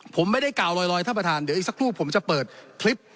ผมไม่ได้กล่าวลอยท่านประธานเดี๋ยวอีกสักครู่ผมจะเปิดคลิป